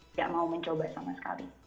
tidak mau mencoba sama sekali